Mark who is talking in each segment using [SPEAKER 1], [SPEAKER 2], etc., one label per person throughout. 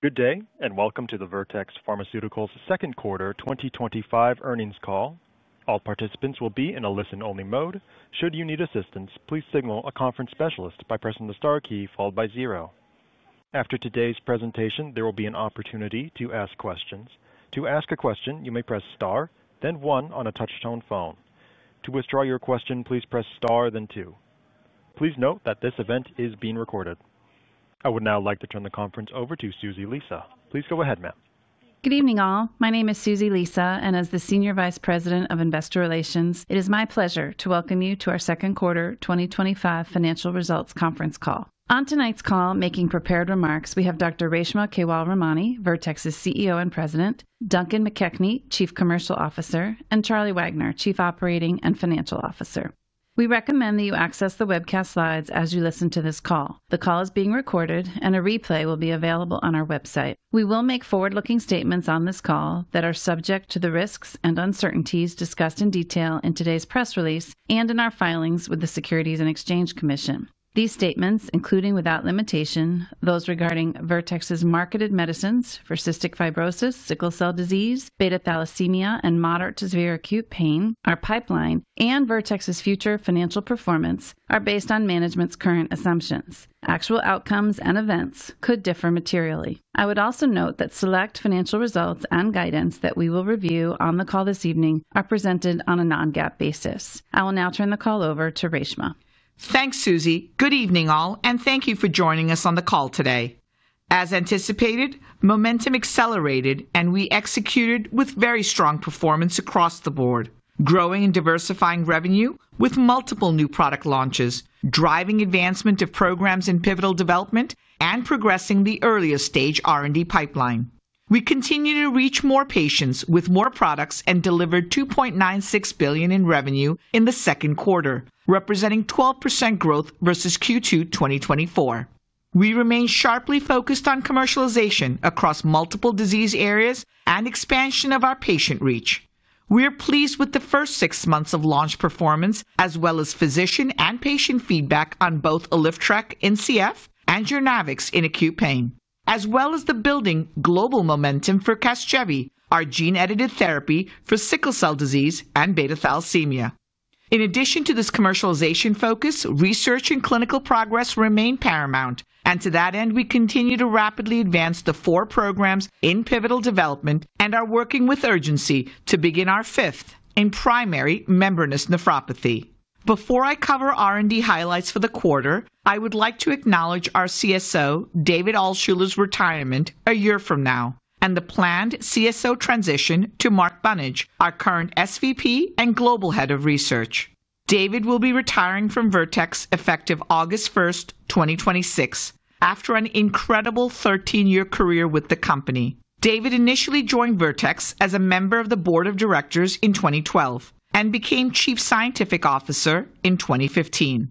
[SPEAKER 1] Good day and welcome to the Vertex Pharmaceuticals Second Quarter 2025 Earnings call. All participants will be in a listen-only mode. Should you need assistance, please signal a conference specialist by pressing the star key followed by zero. After today's presentation, there will be an opportunity to ask questions. To ask a question, you may press star, then one on a touch-tone phone. To withdraw your question, please press star, then two. Please note that this event is being recorded. I would now like to turn the conference over to Susie Lisa. Please go ahead, ma'am.
[SPEAKER 2] Good evening, all. My name is Susie Lisa, and as the Senior Vice President of Investor Relations, it is my pleasure to welcome you to our second quarter 2025 financial results conference call. On tonight's call, making prepared remarks, we have Dr. Reshma Kewalramani, Vertex Pharmaceuticals' CEO and President, Duncan McKechnie, Chief Commercial Officer, and Charlie Wagner, Chief Operating and Financial Officer. We recommend that you access the webcast slides as you listen to this call. The call is being recorded, and a replay will be available on our website. We will make forward-looking statements on this call that are subject to the risks and uncertainties discussed in detail in today's press release and in our filings with the Securities and Exchange Commission. These statements, including without limitation those regarding Vertex Pharmaceuticals' marketed medicines for cystic fibrosis, sickle cell disease, beta thalassemia, and moderate to severe acute pain, our pipeline, and Vertex's future financial performance, are based on management's current assumptions. Actual outcomes and events could differ materially. I would also note that select financial results and guidance that we will review on the call this evening are presented on a non-GAAP basis. I will now turn the call over to Reshma.
[SPEAKER 3] Thanks, Susie. Good evening, all, and thank you for joining us on the call today. As anticipated, momentum accelerated, and we executed with very strong performance across the board, growing and diversifying revenue with multiple new product launches, driving advancement of programs in pivotal development, and progressing the earlier stage R&D pipeline. We continue to reach more patients with more products and delivered $2.96 billion in revenue in the second quarter, representing 12% growth versus Q2 2024. We remain sharply focused on commercialization across multiple disease areas and expansion of our patient reach. We are pleased with the first six months of launch performance, as well as physician and patient feedback on both ALYFTREK in CF and JOURNAVX in acute pain, as well as the building global momentum for CASGEVY, our gene-edited therapy for sickle cell disease and beta thalassemia. In addition to this commercialization focus, research and clinical progress remain paramount. To that end, we continue to rapidly advance the four programs in pivotal development and are working with urgency to begin our fifth in primary membranous nephropathy. Before I cover R&D highlights for the quarter, I would like to acknowledge our CSO, David Altshuler's retirement a year from now and the planned CSO transition to Mark Bunnage, our current SVP and Global Head of Research. David will be retiring from Vertex effective August 1st, 2026, after an incredible 13-year career with the company. David initially joined Vertex as a member of the Board of Directors in 2012 and became Chief Scientific Officer in 2015.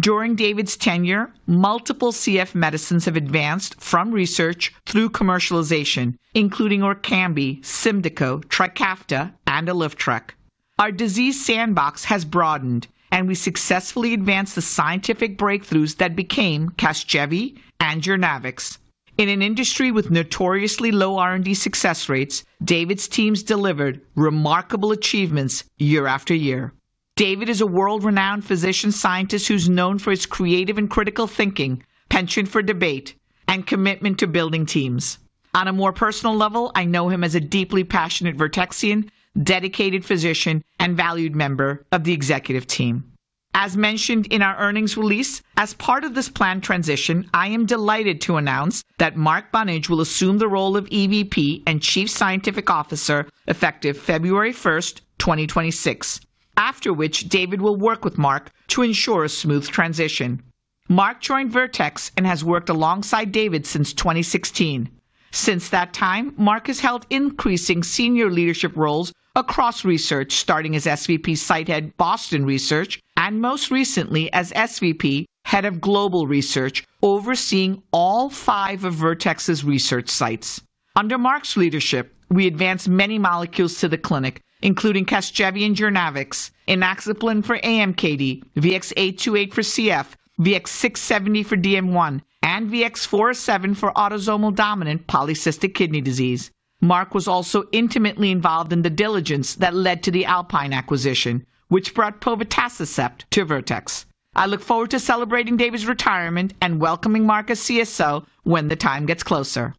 [SPEAKER 3] During David's tenure, multiple CF medicines have advanced from research through commercialization, including ORKAMBI, SYMDEKO, TRIKAFTA, and ALYFTREK. Our disease sandbox has broadened, and we successfully advanced the scientific breakthroughs that became CASGEVY and JOURNAVX. In an industry with notoriously low R&D success rates, David's teams delivered remarkable achievements year after year. David is a world-renowned physician scientist who's known for his creative and critical thinking, penchant for debate, and commitment to building teams. On a more personal level, I know him as a deeply passionate Vertexian, dedicated physician, and valued member of the executive team. As mentioned in our earnings release, as part of this planned transition, I am delighted to announce that Mark Bunnage will assume the role of EVP and Chief Scientific Officer effective February 1st, 2026, after which David will work with Mark to ensure a smooth transition. Mark joined Vertex and has worked alongside David since 2016. Since that time, Mark has held increasing senior leadership roles across research, starting as SVP Site Head Boston Research and most recently as SVP Head of Global Research, overseeing all five of Vertex's research sites. Under Mark's leadership, we advanced many molecules to the clinic, including CASGEVY and JOURNAVX, inaxaplin for AMKD, VX-828 for CF, VX-670 for DM1, and VX-407 for autosomal dominant polycystic kidney disease. Mark was also intimately involved in the diligence that led to the Alpine acquisition, which brought povetacicept to Vertex. I look forward to celebrating David's retirement and welcoming Mark as CSO when the time gets closer.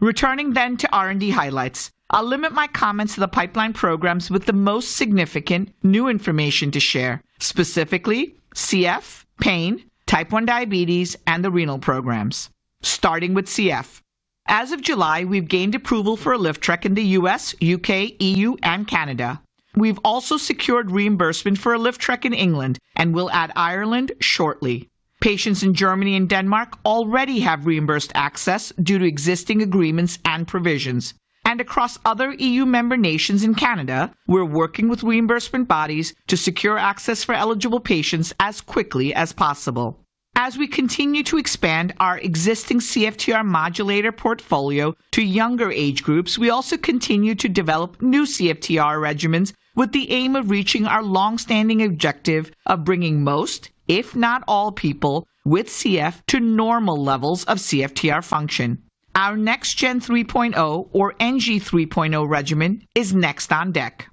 [SPEAKER 3] Returning then to R&D highlights, I'll limit my comments to the pipeline programs with the most significant new information to share, specifically cystic fibrosis, pain, type 1 diabetes, and the renal programs. Starting with cystic fibrosis, as of July, we've gained approval for ALYFTREK in the U.S., U.K., E.U., and Canada. We've also secured reimbursement for ALYFTREK in England, and we'll add Ireland shortly. Patients in Germany and Denmark already have reimbursed access due to existing agreements and provisions. Across other E.U. member nations and Canada, we're working with reimbursement bodies to secure access for eligible patients as quickly as possible. As we continue to expand our existing CFTR modulator portfolio to younger age groups, we also continue to develop new CFTR regimens with the aim of reaching our longstanding objective of bringing most, if not all, people with cystic fibrosis to normal levels of CFTR function. Our next gen 3.0, or NG 3.0 regimen, is next on deck.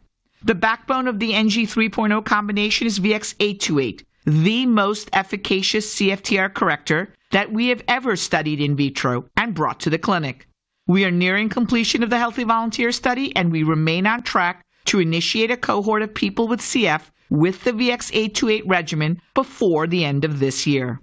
[SPEAKER 3] The backbone of the NG 3.0 combination is VX-828, the most efficacious CFTR corrector that we have ever studied in vitro and brought to the clinic. We are nearing completion of the healthy volunteer study, and we remain on track to initiate a cohort of people with cystic fibrosis with the VX-828 regimen before the end of this year.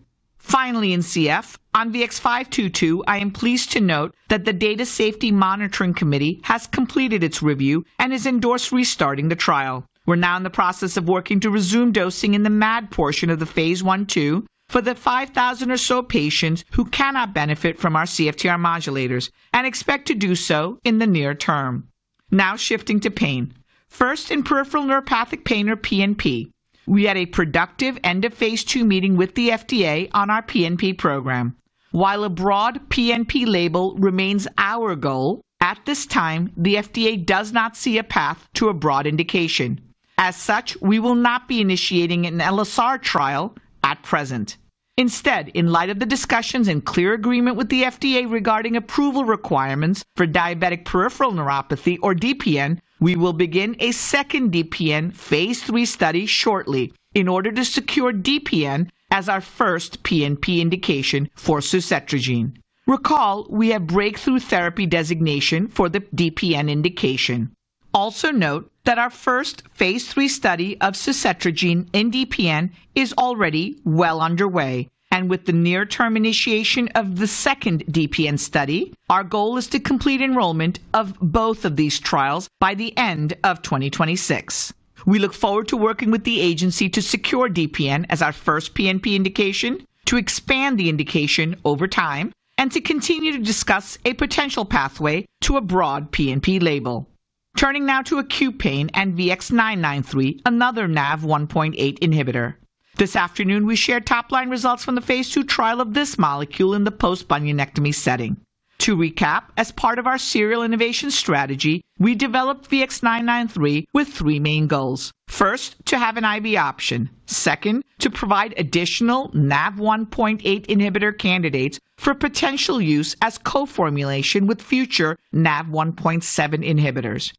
[SPEAKER 3] Finally, in CF, on VX-522, I am pleased to note that the data safety monitoring committee has completed its review and has endorsed restarting the trial. We're now in the process of working to resume dosing in the MAD portion of the phase I/II for the 5,000 or so patients who cannot benefit from our CFTR modulators and expect to do so in the near term. Now shifting to pain. First, in peripheral neuropathic pain, or PNP, we had a productive end of phase II meeting with the FDA on our PNP program. While a broad PNP label remains our goal, at this time, the FDA does not see a path to a broad indication. As such, we will not be initiating an LSR trial at present. Instead, in light of the discussions and clear agreement with the FDA regarding approval requirements for diabetic peripheral neuropathy, or DPN, we will begin a second DPN phase III study shortly in order to secure DPN as our first PNP indication for suzetrigine. Recall, we have Breakthrough Therapy Designation for the DPN indication. Also note that our first phase III study of suzetrigine in DPN is already well underway, and with the near-term initiation of the second DPN study, our goal is to complete enrollment of both of these trials by the end of 2026. We look forward to working with the agency to secure DPN as our first PNP indication, to expand the indication over time, and to continue to discuss a potential pathway to a broad PNP label. Turning now to acute pain and VX-993, another NaV1.8 inhibitor. This afternoon, we shared top-line results from the phase II trial of this molecule in the post-bunionectomy setting. To recap, as part of our serial innovation strategy, we developed VX-993 with three main goals. First, to have an IV option. Second, to provide additional NaV1.8 inhibitor candidates for potential use as co-formulation with future NaV1.7 inhibitors.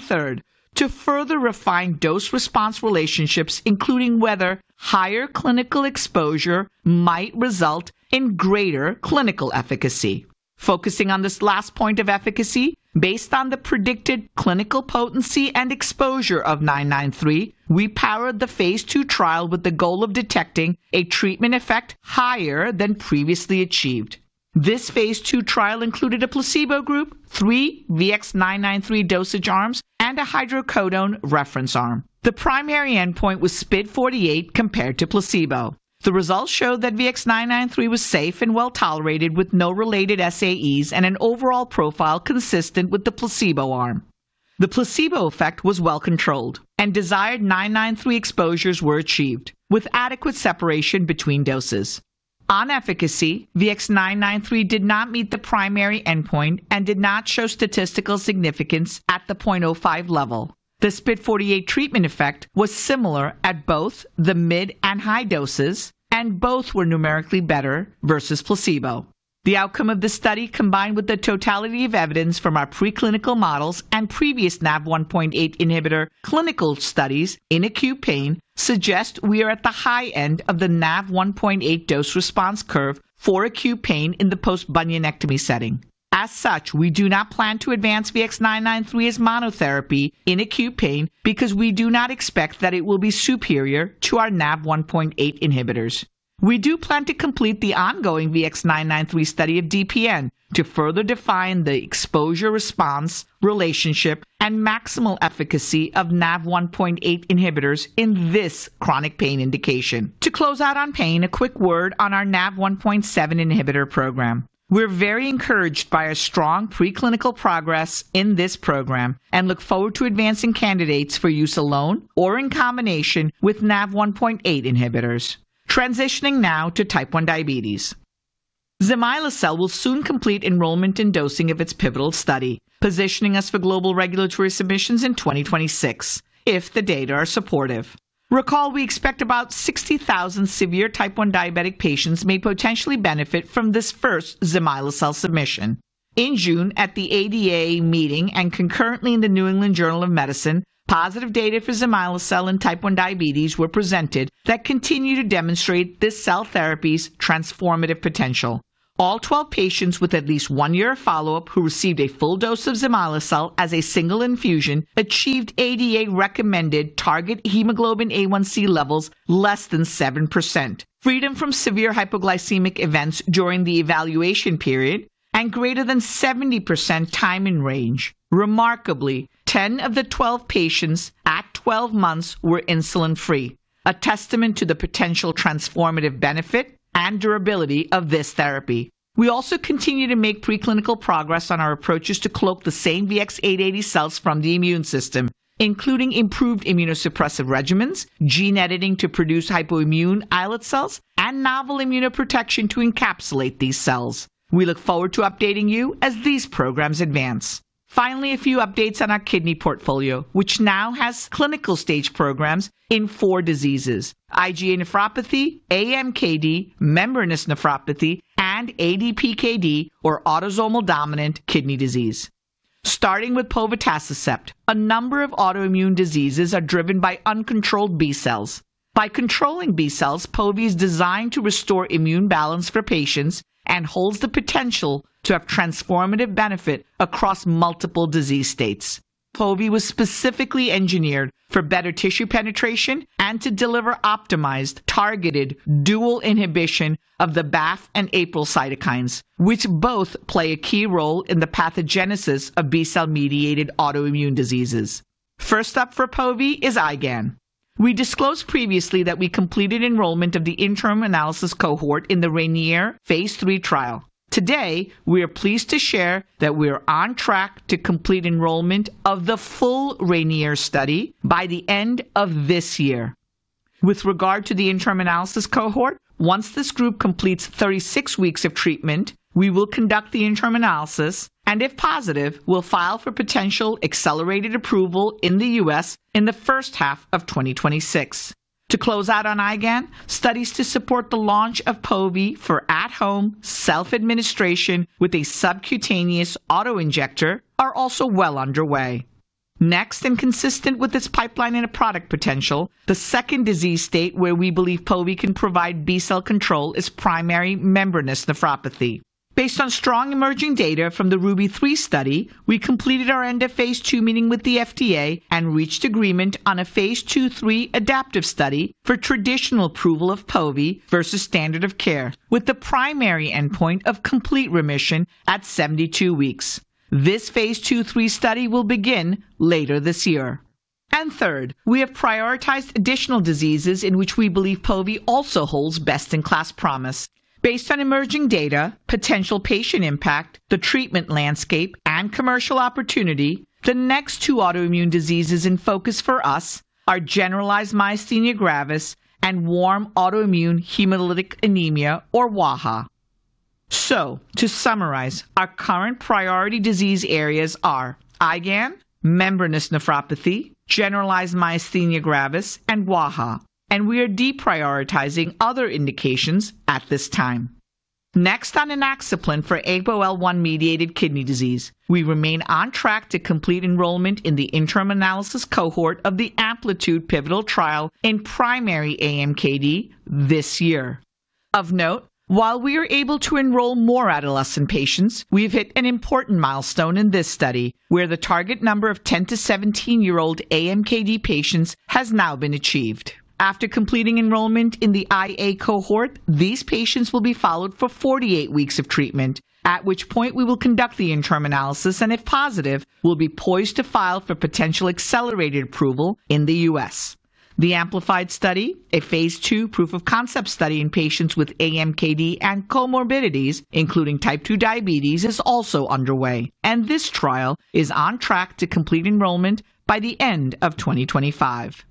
[SPEAKER 3] Third, to further refine dose-response relationships, including whether higher clinical exposure might result in greater clinical efficacy. Focusing on this last point of efficacy, based on the predicted clinical potency and exposure of VX-993, we powered the phase II trial with the goal of detecting a treatment effect higher than previously achieved. This phase II trial included a placebo group, three VX-993 dosage arms, and a hydrocodone reference arm. The primary endpoint was SPID48 compared to placebo. The results showed that VX-993 was safe and well tolerated, with no related SAEs and an overall profile consistent with the placebo arm. The placebo effect was well controlled, and desired VX-993 exposures were achieved with adequate separation between doses. On efficacy, VX-993 did not meet the primary endpoint and did not show statistical significance at the 0.05 level. The SPID48 treatment effect was similar at both the mid and high doses, and both were numerically better versus placebo. The outcome of the study, combined with the totality of evidence from our preclinical models and previous NaV1.8 inhibitor clinical studies in acute pain, suggests we are at the high end of the NaV1.8 dose response curve for acute pain in the post-bunionectomy setting. As such, we do not plan to advance VX-993 as monotherapy in acute pain because we do not expect that it will be superior to our NaV1.8 inhibitors. We do plan to complete the ongoing VX-993 study of diabetic peripheral neuropathy to further define the exposure-response relationship and maximal efficacy of NaV1.8 inhibitors in this chronic pain indication. To close out on pain, a quick word on our NaV1.7 inhibitor program. We're very encouraged by strong preclinical progress in this program and look forward to advancing candidates for use alone or in combination with NaV1.8 inhibitors. Transitioning now to type 1 diabetes. Zimislecel will soon complete enrollment in dosing of its pivotal study, positioning us for global regulatory submissions in 2026, if the data are supportive. Recall, we expect about 60,000 severe type 1 diabetic patients may potentially benefit from this first Zimislecel submission. In June, at the ADA meeting and concurrently in the New England Journal of Medicine, positive data for Zimislecel in type 1 diabetes were presented that continue to demonstrate this cell therapy's transformative potential. All 12 patients with at least one year of follow-up who received a full dose of Zimislecel as a single infusion achieved ADA-recommended target hemoglobin A1c levels less than 7%, freedom from severe hypoglycemic events during the evaluation period, and greater than 70% time in range. Remarkably, 10 of the 12 patients at 12 months were insulin-free, a testament to the potential transformative benefit and durability of this therapy. We also continue to make preclinical progress on our approaches to cloak the same VX-880 cells from the immune system, including improved immunosuppressive regimens, gene editing to produce hypoimmune islet cells, and novel immunoprotection to encapsulate these cells. We look forward to updating you as these programs advance. Finally, a few updates on our kidney portfolio, which now has clinical stage programs in four diseases: IgA nephropathy, AMKD, primary membranous nephropathy, and ADPKD or autosomal dominant polycystic kidney disease. Starting with povetacicept, a number of autoimmune diseases are driven by uncontrolled B cells. By controlling B cells, povetacicept is designed to restore immune balance for patients and holds the potential to have transformative benefit across multiple disease states. Povetacicept was specifically engineered for better tissue penetration and to deliver optimized, targeted dual inhibition of the BAFF and APRIL cytokines, which both play a key role in the pathogenesis of B cell-mediated autoimmune diseases. First up for povetacicept is IgA nephropathy. We disclosed previously that we completed enrollment of the interim analysis cohort in the RAINIER phase III trial. Today, we are pleased to share that we are on track to complete enrollment of the full RAINIER study by the end of this year. With regard to the interim analysis cohort, once this group completes 36 weeks of treatment, we will conduct the interim analysis and, if positive, will file for potential accelerated approval in the U.S. in the first half of 2026. To close out on IgAN, studies to support the launch of povetacicept for at-home self-administration with a subcutaneous autoinjector are also well underway. Next, and consistent with this pipeline and product potential, the second disease state where we believe povetacicept can provide B cell control is primary membranous nephropathy. Based on strong emerging data from the RUBY-3 study, we completed our end of phase II meeting with the FDA and reached agreement on a phase II/III adaptive study for traditional approval of povetacicept versus standard of care, with the primary endpoint of complete remission at 72 weeks. This phase II/III study will begin later this year. We have prioritized additional diseases in which we believe povetacicept also holds best-in-class promise. Based on emerging data, potential patient impact, the treatment landscape, and commercial opportunity, the next two autoimmune diseases in focus for us are generalized myasthenia gravis and warm autoimmune hemolytic anemia, or wAIHA. To summarize, our current priority disease areas are IgAN, membranous nephropathy, generalized myasthenia gravis, and wAIHA, and we are deprioritizing other indications at this time. Next, on inaxaplin for APOL1-mediated kidney disease, we remain on track to complete enrollment in the interim analysis cohort of the Amplitude pivotal trial in primary AMKD this year. Of note, while we are able to enroll more adolescent patients, we have hit an important milestone in this study, where the target number of 10 year-old-17 year-old AMKD patients has now been achieved. After completing enrollment in the IA cohort, these patients will be followed for 48 weeks of treatment, at which point we will conduct the interim analysis and, if positive, we'll be poised to file for potential accelerated approval in the U.S. The AMPLIFIED study, a phase II proof of concept study in patients with AMKD and comorbidities, including type 2 diabetes, is also underway, and this trial is on track to complete enrollment by the end of 2025.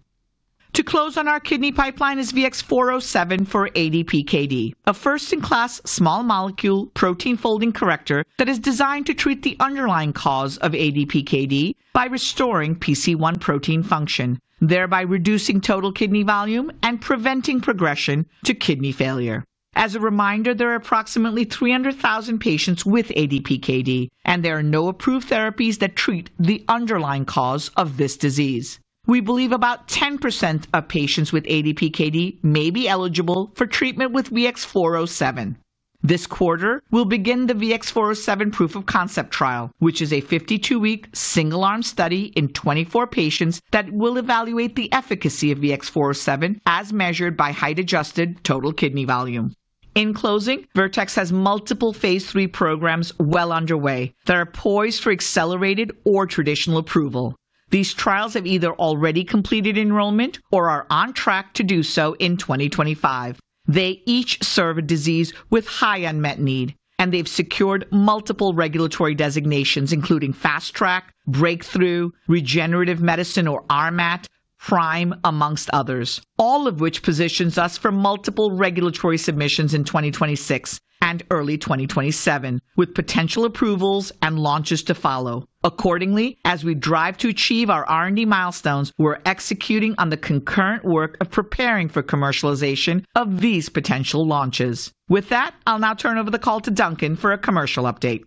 [SPEAKER 3] To close on our kidney pipeline is VX-407 for ADPKD, a first-in-class small molecule protein folding corrector that is designed to treat the underlying cause of ADPKD by restoring PC1 protein function, thereby reducing total kidney volume and preventing progression to kidney failure. As a reminder, there are approximately 300,000 patients with ADPKD, and there are no approved therapies that treat the underlying cause of this disease. We believe about 10% of patients with ADPKD may be eligible for treatment with VX-407. This quarter, we'll begin the VX-407 proof of concept trial, which is a 52-week single-arm study in 24 patients that will evaluate the efficacy of VX-407 as measured by height-adjusted total kidney volume. In closing, Vertex has multiple phase III programs well underway that are poised for accelerated or traditional approval. These trials have either already completed enrollment or are on track to do so in 2025. They each serve a disease with high unmet need, and they've secured multiple regulatory designations, including Fast Track, Breakthrough Therapy, Regenerative Medicine, or RMAT, PRIME, amongst others, all of which positions us for multiple regulatory submissions in 2026 and early 2027, with potential approvals and launches to follow. Accordingly, as we drive to achieve our R&D milestones, we're executing on the concurrent work of preparing for commercialization of these potential launches. With that, I'll now turn over the call to Duncan for a commercial update.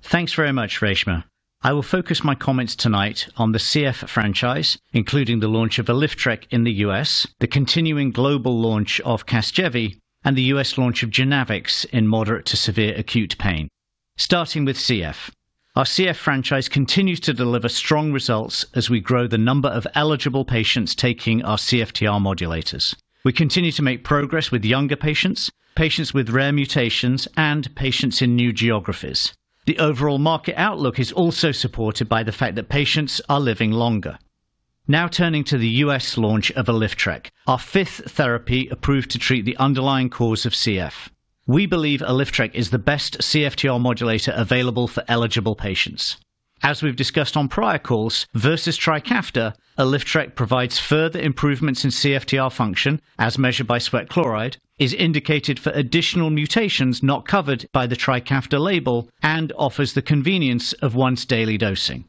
[SPEAKER 4] Thanks very much, Reshma. I will focus my comments tonight on the CF franchise, including the launch of ALYFTREK in the U.S., the continuing global launch of CASGEVY, and the U.S. launch of JOURNAVX in moderate to severe acute pain. Starting with CF, our CF franchise continues to deliver strong results as we grow the number of eligible patients taking our CFTR modulators. We continue to make progress with younger patients, patients with rare mutations, and patients in new geographies. The overall market outlook is also supported by the fact that patients are living longer. Now turning to the U.S. launch of ALYFTREK, our fifth therapy approved to treat the underlying cause of CF. We believe ALYFTREK is the best CFTR modulator available for eligible patients. As we've discussed on prior calls, versus TRIKAFTA, ALYFTREK provides further improvements in CFTR function, as measured by sweat chloride, is indicated for additional mutations not covered by the TRIKAFTA label, and offers the convenience of once-daily dosing.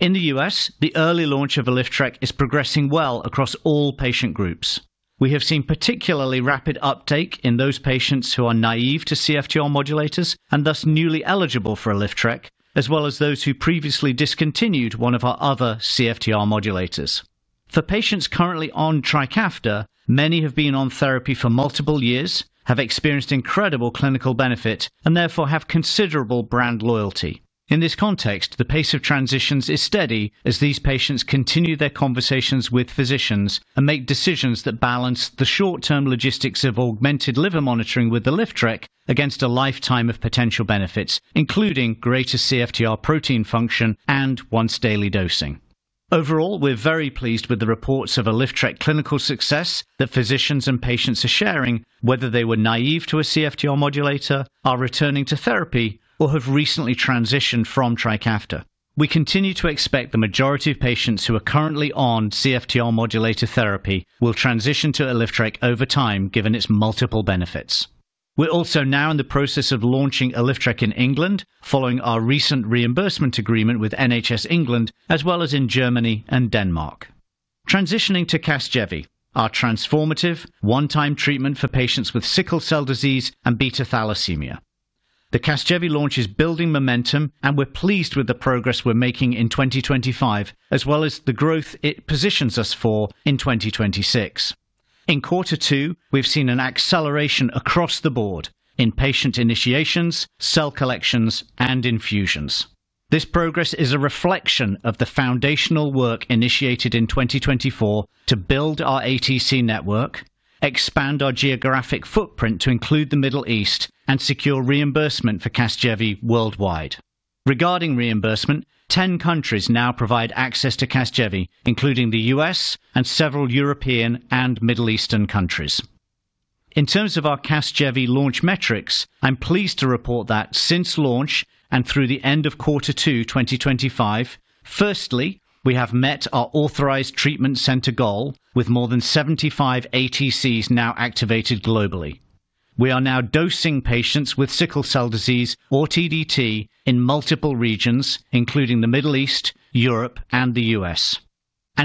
[SPEAKER 4] In the U.S., the early launch of ALYFTREK is progressing well across all patient groups. We have seen particularly rapid uptake in those patients who are naive to CFTR modulators and thus newly eligible for ALYFTREK, as well as those who previously discontinued one of our other CFTR modulators. For patients currently on TRIKAFTA, many have been on therapy for multiple years, have experienced incredible clinical benefit, and therefore have considerable brand loyalty. In this context, the pace of transitions is steady as these patients continue their conversations with physicians and make decisions that balance the short-term logistics of augmented liver monitoring with ALYFTREK against a lifetime of potential benefits, including greater CFTR protein function and once-daily dosing. Overall, we're very pleased with the reports of ALYFTREK clinical success that physicians and patients are sharing, whether they were naive to a CFTR modulator, are returning to therapy, or have recently transitioned from TRIKAFTA. We continue to expect the majority of patients who are currently on CFTR modulator therapy will transition to ALYFTREK over time, given its multiple benefits. We're also now in the process of launching ALYFTREK in England, following our recent reimbursement agreement with NHS England, as well as in Germany and Denmark. Transitioning to CASGEVY, our transformative one-time treatment for patients with sickle cell disease and beta thalassemia. The CASGEVY launch is building momentum, and we're pleased with the progress we're making in 2025, as well as the growth it positions us for in 2026. In quarter two, we've seen an acceleration across the board in patient initiations, cell collections, and infusions. This progress is a reflection of the foundational work initiated in 2024 to build our ATC network, expand our geographic footprint to include the Middle East, and secure reimbursement for CASGEVY worldwide. Regarding reimbursement, 10 countries now provide access to CASGEVY, including the U.S. and several European and Middle Eastern countries. In terms of our CASGEVY launch metrics, I'm pleased to report that since launch and through the end of quarter two, 2025, firstly, we have met our authorized treatment center goal, with more than 75 ATCs now activated globally. We are now dosing patients with sickle cell disease, or TDT, in multiple regions, including the Middle East, Europe, and the U.S.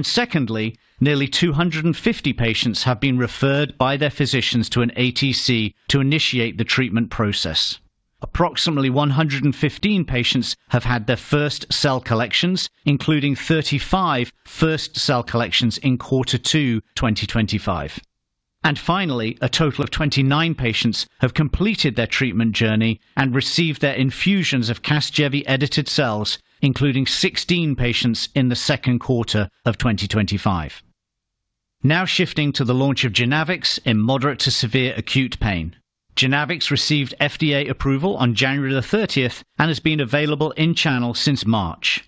[SPEAKER 4] Secondly, nearly 250 patients have been referred by their physicians to an ATC to initiate the treatment process. Approximately 115 patients have had their first cell collections, including 35 first cell collections in quarter two, 2025. Finally, a total of 29 patients have completed their treatment journey and received their infusions of CASGEVY-edited cells, including 16 patients in the second quarter of 2025. Now shifting to the launch of JOURNAVX in moderate to severe acute pain. JOURNAVX received FDA approval on January 30th and has been available in-channel since March.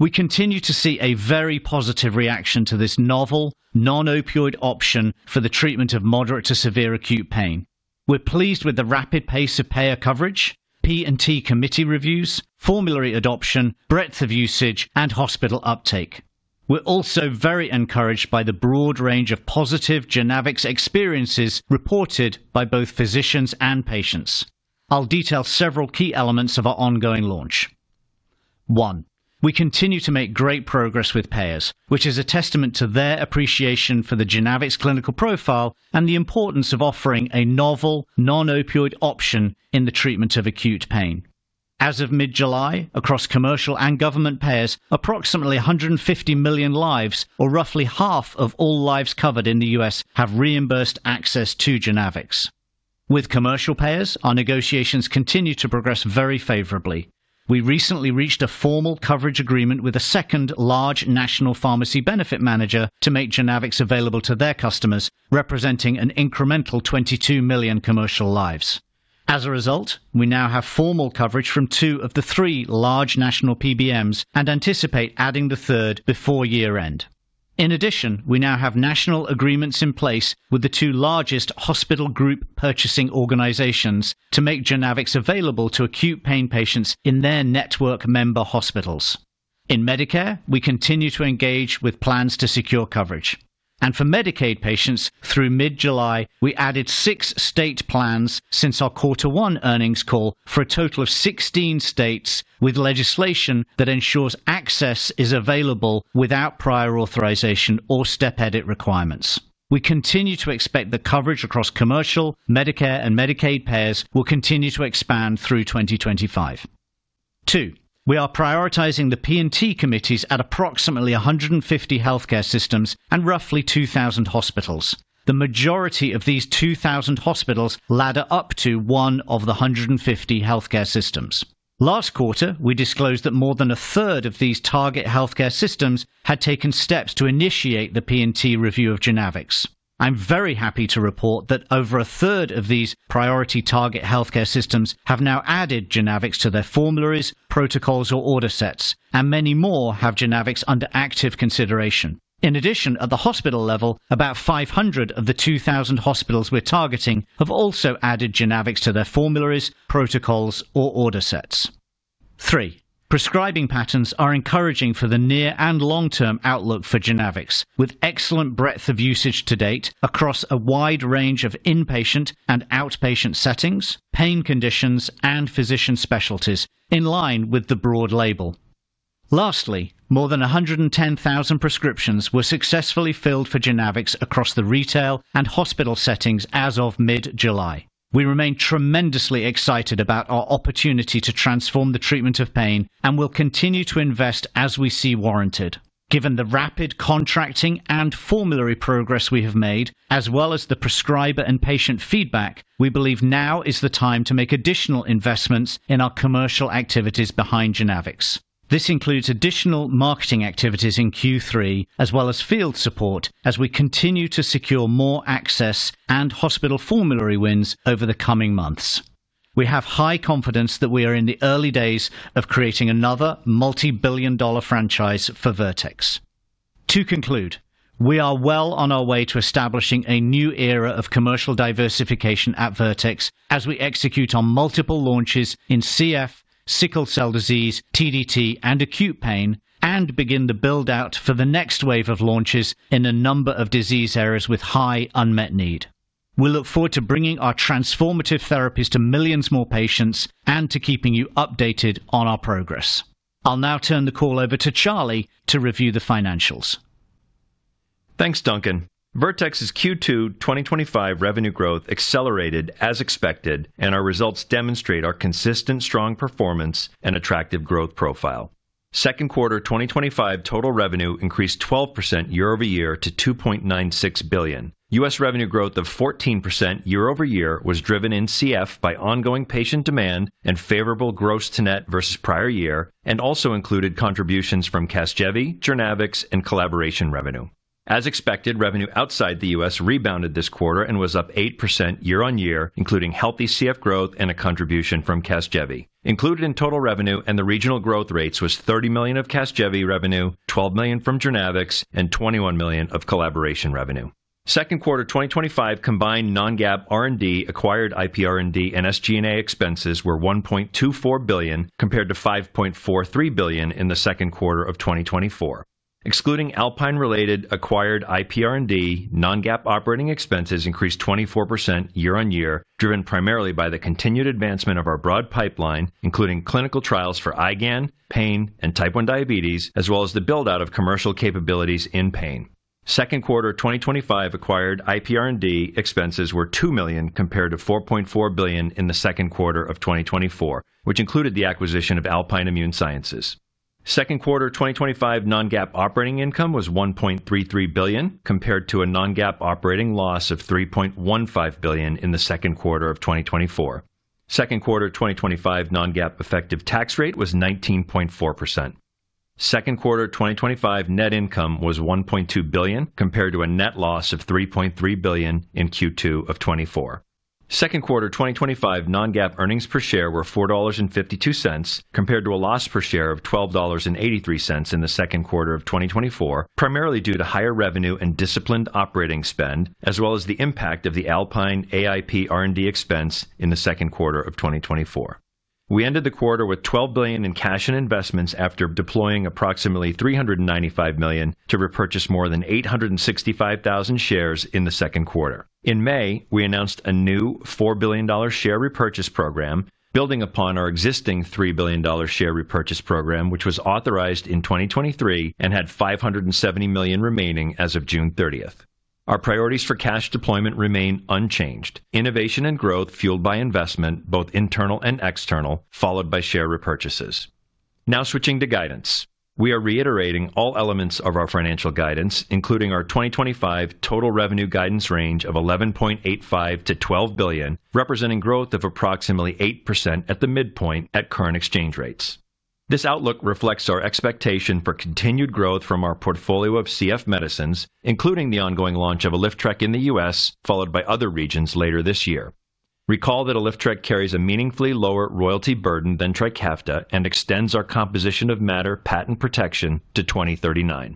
[SPEAKER 4] We continue to see a very positive reaction to this novel, non-opioid option for the treatment of moderate to severe acute pain. We're pleased with the rapid pace of payer coverage, P&T committee reviews, formulary adoption, breadth of usage, and hospital uptake. We're also very encouraged by the broad range of positive JOURNAVX experiences reported by both physicians and patients. I'll detail several key elements of our ongoing launch. One, we continue to make great progress with payers, which is a testament to their appreciation for the JOURNAVX clinical profile and the importance of offering a novel, non-opioid option in the treatment of acute pain. As of mid-July, across commercial and government payers, approximately 150 million lives, or roughly half of all lives covered in the U.S., have reimbursed access to JOURNAVX. With commercial payers, our negotiations continue to progress very favorably. We recently reached a formal coverage agreement with a second large national pharmacy benefit manager to make JOURNAVX available to their customers, representing an incremental 22 million commercial lives. As a result, we now have formal coverage from two of the three large national PBMs and anticipate adding the third before year-end. In addition, we now have national agreements in place with the two largest hospital group purchasing organizations to make JOURNAVX available to acute pain patients in their network member hospitals. In Medicare, we continue to engage with plans to secure coverage. For Medicaid patients, through mid-July, we added six state plans since our quarter one earnings call for a total of 16 states, with legislation that ensures access is available without prior authorization or step-edit requirements. We continue to expect the coverage across commercial, Medicare, and Medicaid payers will continue to expand through 2025. Two, we are prioritizing the P&T committees at approximately 150 healthcare systems and roughly 2,000 hospitals. The majority of these 2,000 hospitals ladder up to one of the 150 healthcare systems. Last quarter, we disclosed that more than 1/3 of these target healthcare systems had taken steps to initiate the P&T review of JOURNAVX. I'm very happy to report that over a third of these priority target healthcare systems have now added JOURNAVX to their formularies, protocols, or order sets, and many more have JOURNAVX under active consideration. In addition, at the hospital level, about 500 of the 2,000 hospitals we're targeting have also added JOURNAVX to their formularies, protocols, or order sets. Three, prescribing patterns are encouraging for the near and long-term outlook for JOURNAVX, with excellent breadth of usage to date across a wide range of inpatient and outpatient settings, pain conditions, and physician specialties, in line with the broad label. Lastly, more than 110,000 prescriptions were successfully filled for JOURNAVX across the retail and hospital settings as of mid-July. We remain tremendously excited about our opportunity to transform the treatment of pain and will continue to invest as we see warranted. Given the rapid contracting and formulary progress we have made, as well as the prescriber and patient feedback, we believe now is the time to make additional investments in our commercial activities behind JOURNAVX. This includes additional marketing activities in Q3, as well as field support, as we continue to secure more access and hospital formulary wins over the coming months. We have high confidence that we are in the early days of creating another multi-billion dollar franchise for Vertex. To conclude, we are well on our way to establishing a new era of commercial diversification at Vertex as we execute on multiple launches in CF, sickle cell disease, TDT, and acute pain, and begin the build-out for the next wave of launches in a number of disease areas with high unmet need. We look forward to bringing our transformative therapies to millions more patients and to keeping you updated on our progress. I'll now turn the call over to Charlie to review the financials.
[SPEAKER 5] Thanks, Duncan. Vertex's Q2 2025 revenue growth accelerated as expected, and our results demonstrate our consistent strong performance and attractive growth profile. Second quarter 2025 total revenue increased 12% year-over-year to $2.96 billion. U.S. revenue growth of 14% year-over-year was driven in CF by ongoing patient demand and favorable gross-to-net versus prior year, and also included contributions from CASGEVY, JOURNAVX, and collaboration revenue. As expected, revenue outside the U.S. rebounded this quarter and was up 8% year-on-year, including healthy CF growth and a contribution from CASGEVY. Included in total revenue and the regional growth rates was $30 million of CASGEVY revenue, $12 million from JOURNAVX, and $21 million of collaboration revenue. Second quarter 2025 combined non-GAAP R&D, acquired IPR&D, and SG&A expenses were $1.24 billion compared to $5.43 billion in the second quarter of 2024. Excluding Alpine-related acquired IPR&D, non-GAAP operating expenses increased 24% year-on-year, driven primarily by the continued advancement of our broad pipeline, including clinical trials for IgA nephropathy, pain, and type 1 diabetes, as well as the build-out of commercial capabilities in pain. Second quarter 2025 acquired IPR&D expenses were $2 million compared to $4.4 billion in the second quarter of 2024, which included the acquisition of Alpine Immune Sciences. Second quarter 2025 non-GAAP operating income was $1.33 billion compared to a non-GAAP operating loss of $3.15 billion in the second quarter of 2024. Second quarter 2025 non-GAAP effective tax rate was 19.4%. Second quarter 2025 net income was $1.2 billion compared to a net loss of $3.3 billion in Q2 of 2024. Second quarter 2025 non-GAAP earnings per share were $4.52 compared to a loss per share of $12.83 in the second quarter of 2024, primarily due to higher revenue and disciplined operating spend, as well as the impact of the Alpine acquired IPR&D expense in the second quarter of 2024. We ended the quarter with $12 billion in cash and investments after deploying approximately $395 million to repurchase more than 865,000 shares in the second quarter. In May, we announced a new $4 billion share repurchase program, building upon our existing $3 billion share repurchase program, which was authorized in 2023 and had $570 million remaining as of June 30th. Our priorities for cash deployment remain unchanged, innovation and growth fueled by investment, both internal and external, followed by share repurchases. Now switching to guidance, we are reiterating all elements of our financial guidance, including our 2025 total revenue guidance range of $11.85 billion-$12 billion, representing growth of approximately 8% at the midpoint at current exchange rates. This outlook reflects our expectation for continued growth from our portfolio of CF medicines, including the ongoing launch of ALYFTREK in the U.S., followed by other regions later this year. Recall that ALYFTREK carries a meaningfully lower royalty burden than TRIKAFTA and extends our composition of matter patent protection to 2039.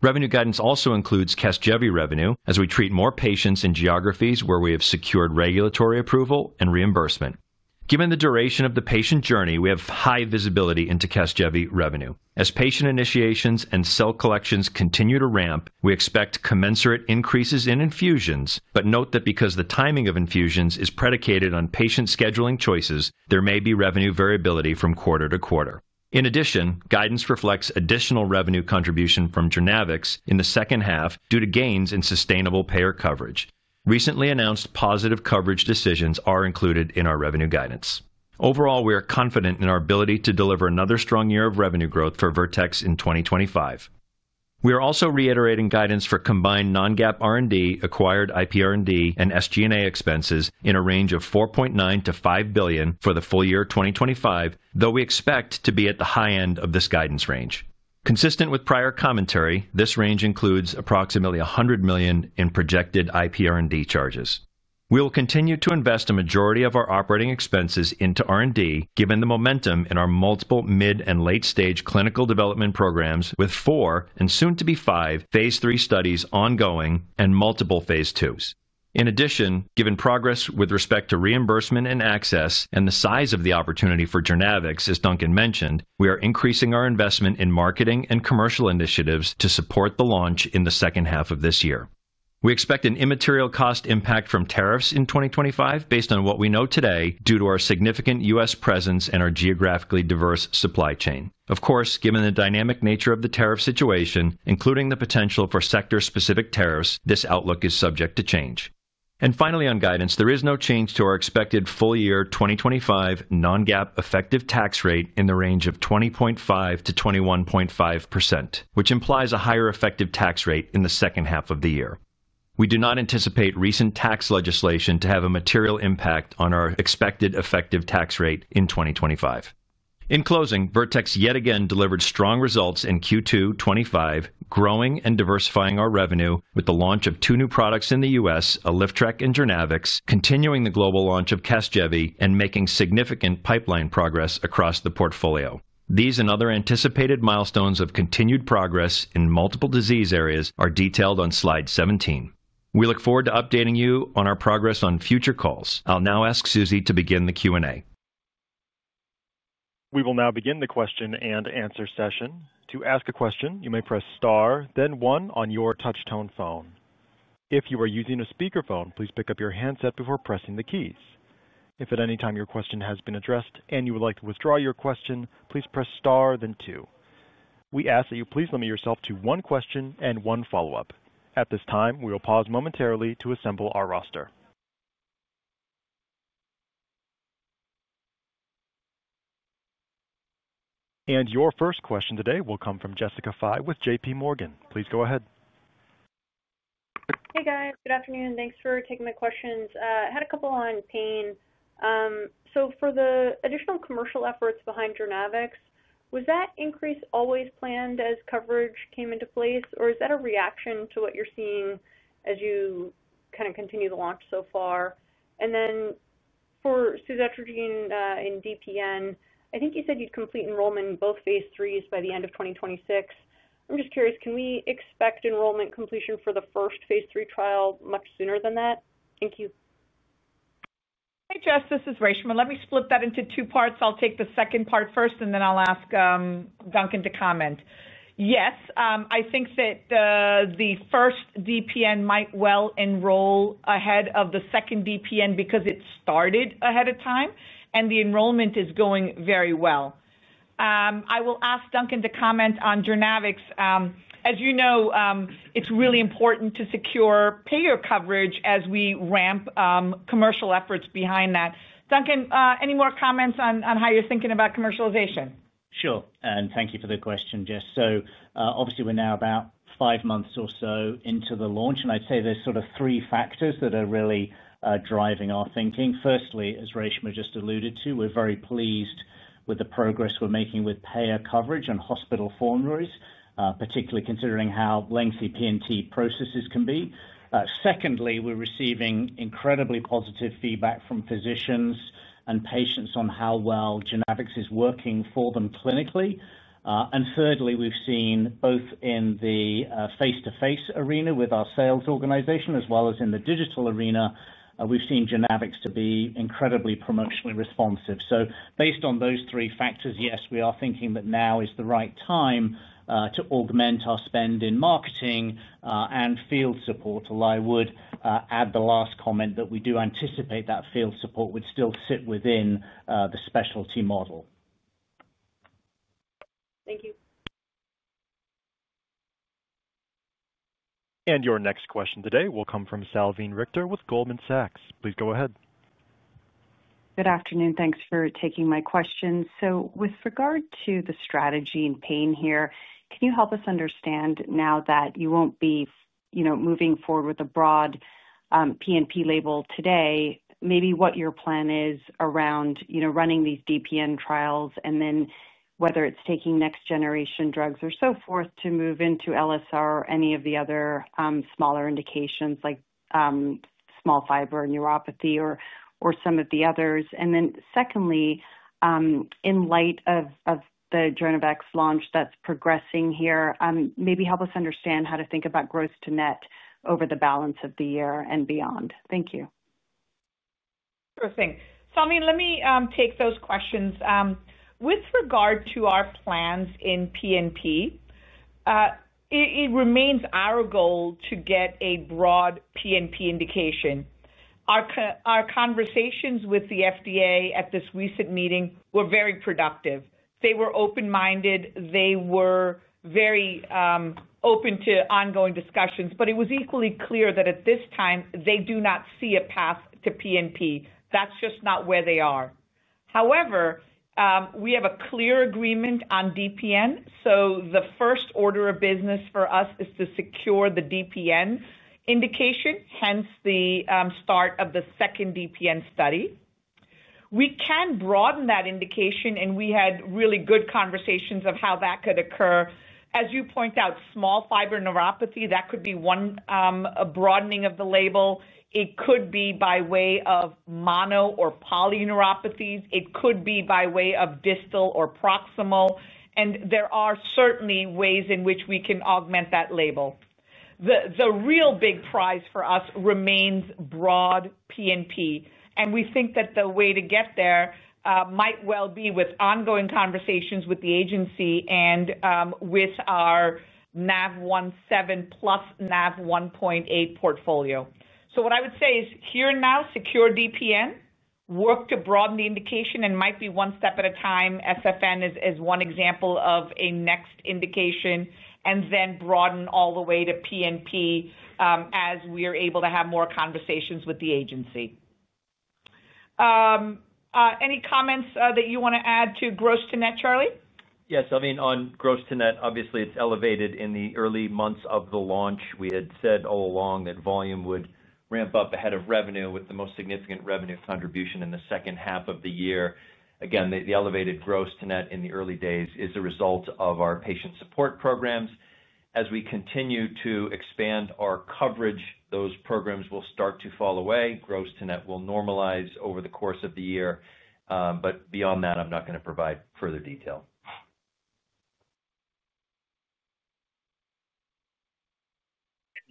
[SPEAKER 5] Revenue guidance also includes CASGEVY revenue as we treat more patients in geographies where we have secured regulatory approval and reimbursement. Given the duration of the patient journey, we have high visibility into CASGEVY revenue. As patient initiations and cell collections continue to ramp, we expect commensurate increases in infusions, but note that because the timing of infusions is predicated on patient scheduling choices, there may be revenue variability from quarter to quarter. In addition, guidance reflects additional revenue contribution from JOURNAVX in the second half due to gains in sustainable payer coverage. Recently announced positive coverage decisions are included in our revenue guidance. Overall, we are confident in our ability to deliver another strong year of revenue growth for Vertex in 2025. We are also reiterating guidance for combined non-GAAP R&D, acquired IPR&D, and SG&A expenses in a range of $4.9 billion-$5 billion for the full year 2025, though we expect to be at the high end of this guidance range. Consistent with prior commentary, this range includes approximately $100 million in projected IPR&D charges. We will continue to invest a majority of our operating expenses into R&D, given the momentum in our multiple mid and late-stage clinical development programs with four and soon to be five phase III studies ongoing and multiple phase IIs. In addition, given progress with respect to reimbursement and access and the size of the opportunity for JOURNAVX, as Duncan mentioned, we are increasing our investment in marketing and commercial initiatives to support the launch in the second half of this year. We expect an immaterial cost impact from tariffs in 2025, based on what we know today, due to our significant U.S. presence and our geographically diverse supply chain. Of course, given the dynamic nature of the tariff situation, including the potential for sector-specific tariffs, this outlook is subject to change. Finally, on guidance, there is no change to our expected full-year 2025 non-GAAP effective tax rate in the range of 20.5%-21.5%, which implies a higher effective tax rate in the second half of the year. We do not anticipate recent tax legislation to have a material impact on our expected effective tax rate in 2025. In closing, Vertex yet again delivered strong results in Q2 2025, growing and diversifying our revenue with the launch of two new products in the U.S., ALYFTREK and JOURNAVX, continuing the global launch of CASGEVY and making significant pipeline progress across the portfolio. These and other anticipated milestones of continued progress in multiple disease areas are detailed on slide 17. We look forward to updating you on our progress on future calls. I'll now ask Susie to begin the Q&A.
[SPEAKER 1] We will now begin the question and answer session. To ask a question, you may press star, then one on your touchtone phone. If you are using a speakerphone, please pick up your handset before pressing the keys. If at any time your question has been addressed and you would like to withdraw your question, please press star, then two. We ask that you please limit yourself to one question and one follow-up. At this time, we will pause momentarily to assemble our roster. Your first question today will come from Jessica Fye with JPMorgan. Please go ahead.
[SPEAKER 6] Hey guys, good afternoon. Thanks for taking the questions. I had a couple on pain. For the additional commercial efforts behind JOURNAVX, was that increase always planned as coverage came into place, or is that a reaction to what you're seeing as you kind of continue the launch so far? For suzetrigine in DPN, I think you said you'd complete enrollment in both phase IIIs by the end of 2026. I'm just curious, can we expect enrollment completion for the first phase III trial much sooner than that? Thank you.
[SPEAKER 3] Hey Jess, this is Reshma. Let me split that into two parts. I'll take the second part first, and then I'll ask Duncan to comment. Yes, I think that the first DPN might well enroll ahead of the second DPN because it started ahead of time, and the enrollment is going very well. I will ask Duncan to comment on JOURNAVX. As you know, it's really important to secure payer coverage as we ramp commercial efforts behind that. Duncan, any more comments on how you're thinking about commercialization?
[SPEAKER 4] Sure, and thank you for the question, Jess. Obviously, we're now about five months or so into the launch, and I'd say there's sort of three factors that are really driving our thinking. Firstly, as Reshma just alluded to, we're very pleased with the progress we're making with payer coverage and hospital formularies, particularly considering how lengthy P&T processes can be. Secondly, we're receiving incredibly positive feedback from physicians and patients on how well JOURNAVX is working for them clinically. Thirdly, we've seen both in the face-to-face arena with our sales organization, as well as in the digital arena, we've seen JOURNAVX to be incredibly promotionally responsive. Based on those three factors, yes, we are thinking that now is the right time to augment our spend in marketing and field support. Although I would add the last comment that we do anticipate that field support would still sit within the specialty model.
[SPEAKER 6] Thank you.
[SPEAKER 1] Your next question today will come from Salveen Richter with Goldman Sachs. Please go ahead.
[SPEAKER 7] Good afternoon. Thanks for taking my question. With regard to the strategy in pain here, can you help us understand now that you won't be moving forward with a broad PNP label today, maybe what your plan is around running these DPN trials and whether it's taking next-generation drugs or so forth to move into LSR or any of the other smaller indications like small fiber neuropathy or some of the others. Secondly, in light of the JOURNAVX launch that's progressing here, maybe help us understand how to think about gross-to-net over the balance of the year and beyond. Thank you.
[SPEAKER 3] Sure thing. Salveen, let me take those questions. With regard to our plans in PNP, it remains our goal to get a broad PNP indication. Our conversations with the FDA at this recent meeting were very productive. They were open-minded. They were very open to ongoing discussions, but it was equally clear that at this time they do not see a path to PNP. That's just not where they are. However, we have a clear agreement on DPN, so the first order of business for us is to secure the DPN indication, hence the start of the second DPN study. We can broaden that indication, and we had really good conversations of how that could occur. As you point out, small fiber neuropathy, that could be one broadening of the label. It could be by way of mono or polyneuropathies. It could be by way of distal or proximal, and there are certainly ways in which we can augment that label. The real big prize for us remains broad P&P, and we think that the way to get there might well be with ongoing conversations with the agency and with our NaV1.7 plus NaV1.8 portfolio. What I would say is here and now secure DPN, work to broaden the indication, and might be one step at a time. SFN is one example of a next indication, and then broaden all the way to PNP as we are able to have more conversations with the agency. Any comments that you want to add to gross-to-net, Charlie?
[SPEAKER 5] Yes, I mean on gross-to-net, obviously it's elevated in the early months of the launch. We had said all along that volume would ramp up ahead of revenue with the most significant revenue contribution in the second half of the year. Again, the elevated gross-to-net in the early days is a result of our patient support programs. As we continue to expand our coverage, those programs will start to fall away. Gross-to-net will normalize over the course of the year, but beyond that, I'm not going to provide further detail.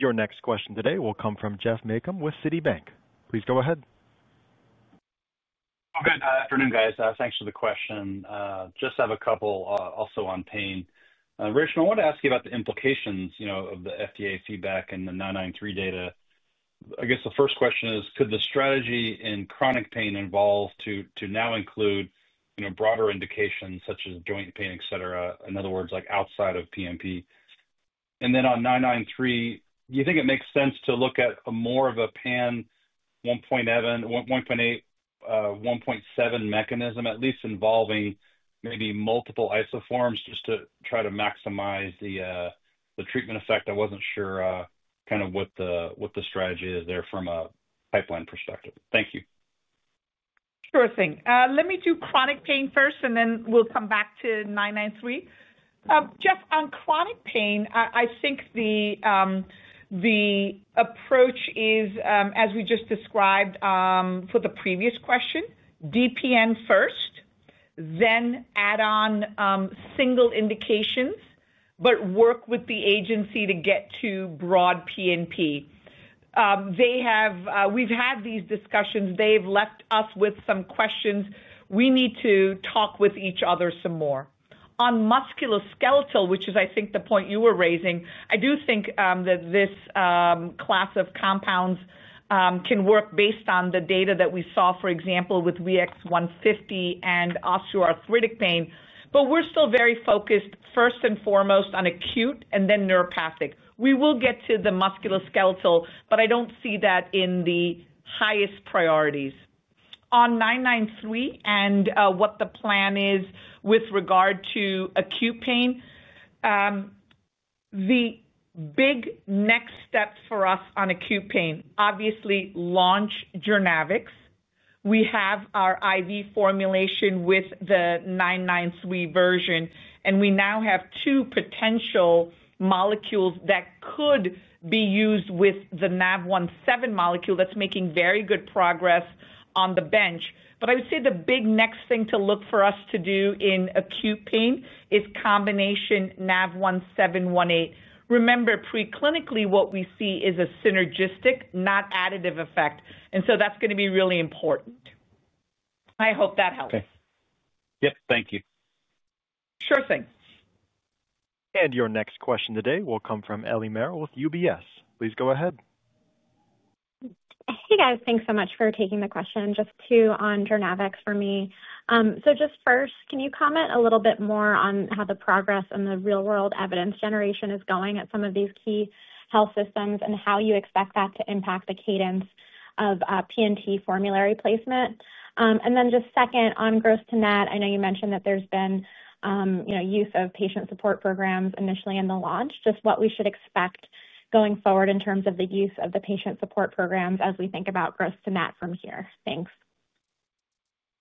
[SPEAKER 1] Your next question today will come from Geoff Meacham with Citibank. Please go ahead.
[SPEAKER 8] Good afternoon, guys. Thanks for the question. I just have a couple also on pain. Reshma, I want to ask you about the implications of the FDA feedback and the VX-993 data. The first question is, could the strategy in chronic pain evolve to now include broader indications such as joint pain, et cetera, in other words, like outside of PNP? On 993, do you think it makes sense to look at more of a [pan] Nav1.8, Nav1.7 mechanism, at least involving maybe multiple isoforms just to try to maximize the treatment effect? I wasn't sure what the strategy is there from a pipeline perspective. Thank you.
[SPEAKER 3] Sure thing. Let me do chronic pain first, and then we'll come back to VX-993. Geoff, on chronic pain, I think the approach is, as we just described for the previous question, DPN first, then add on single indications, but work with the agency to get to broad PNP. We've had these discussions. They've left us with some questions. We need to talk with each other some more. On musculoskeletal, which is, I think, the point you were raising, I do think that this class of compounds can work based on the data that we saw, for example, with VX-150 and osteoarthritic pain. We're still very focused, first and foremost, on acute and then neuropathic. We will get to the musculoskeletal, but I don't see that in the highest priorities. On VX-993 and what the plan is with regard to acute pain, the big next steps for us on acute pain, obviously, launch JOURNAVX. We have our IV formulation with the VX-993 version, and we now have two potential molecules that could be used with the NaV1.7 molecule that's making very good progress on the bench. I would say the big next thing to look for us to do in acute pain is combination NaV1.7, NaV1.8. Remember, preclinically, what we see is a synergistic, not additive effect, and that's going to be really important. I hope that helps.
[SPEAKER 8] Thank you.
[SPEAKER 3] Sure thing.
[SPEAKER 1] Your next question today will come from Ellie Merle with UBS. Please go ahead.
[SPEAKER 9] Hey guys, thanks so much for taking the question. Just two on JOURNAVX for me. First, can you comment a little bit more on how the progress in the real-world evidence generation is going at some of these key health systems and how you expect that to impact the cadence of PNP formulary placement? Then just second, on gross-to-net, I know you mentioned that there's been use of patient support programs initially in the launch. What should we expect going forward in terms of the use of the patient support programs as we think about gross-to-net from here? Thanks.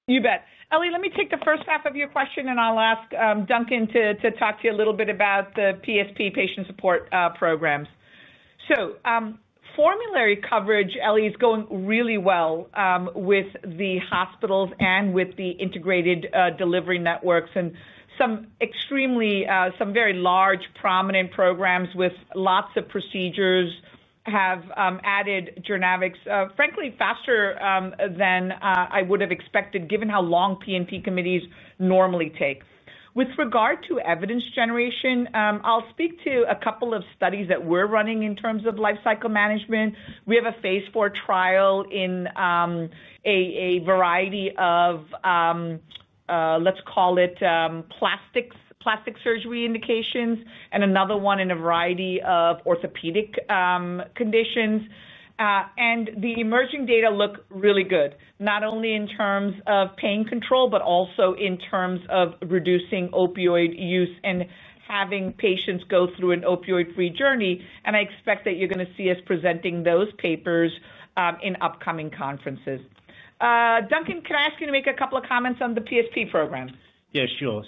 [SPEAKER 3] You bet. Ellie, let me take the first half of your question, and I'll ask Duncan to talk to you a little bit about the PSP patient support programs. Formulary coverage, Ellie, is going really well with the hospitals and with the integrated delivery networks, and some extremely, some very large, prominent programs with lots of procedures have added JOURNAVX, frankly, faster than I would have expected, given how long P&T committees normally take. With regard to evidence generation, I'll speak to a couple of studies that we're running in terms of lifecycle management. We have a phase IV trial in a variety of, let's call it, plastic surgery indications, and another one in a variety of orthopedic conditions. The emerging data look really good, not only in terms of pain control, but also in terms of reducing opioid use and having patients go through an opioid-free journey. I expect that you're going to see us presenting those papers in upcoming conferences. Duncan, can I ask you to make a couple of comments on the PSP program?
[SPEAKER 4] Sure.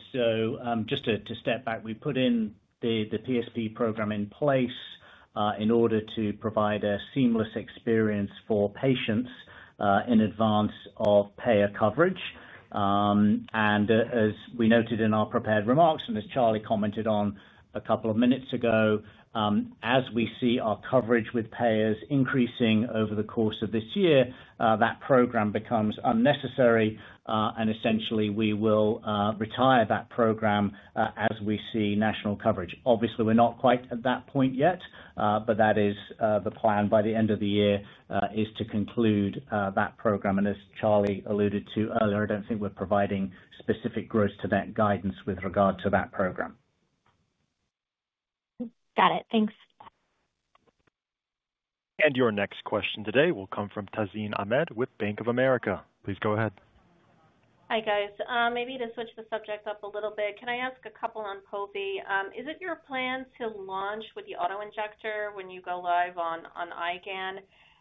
[SPEAKER 4] Just to step back, we put the PSP program in place in order to provide a seamless experience for patients in advance of payer coverage. As we noted in our prepared remarks and as Charlie commented on a couple of minutes ago, as we see our coverage with payers increasing over the course of this year, that program becomes unnecessary, and essentially we will retire that program as we see national coverage. Obviously, we're not quite at that point yet, but that is the plan by the end of the year, to conclude that program. As Charlie alluded to earlier, I don't think we're providing specific gross-to-net guidance with regard to that program.
[SPEAKER 9] Got it. Thanks.
[SPEAKER 1] Your next question today will come from Tazeen Ahmad with Bank of America. Please go ahead.
[SPEAKER 10] Hi, guys. Maybe to switch the subject up a little bit, can I ask a couple on povetacicept? Is it your plan to launch with the autoinjector when you go live on IgAN?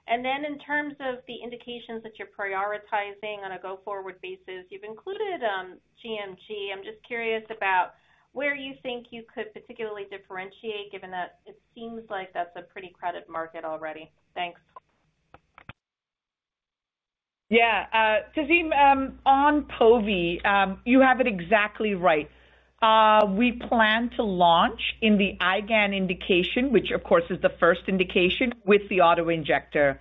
[SPEAKER 10] In terms of the indications that you're prioritizing on a go-forward basis, you've included gMG. I'm just curious about where you think you could particularly differentiate, given that it seems like that's a pretty crowded market already. Thanks.
[SPEAKER 3] Yeah, Tazeen, on povetacicept, you have it exactly right. We plan to launch in the IgA nephropathy indication, which of course is the first indication, with the autoinjector.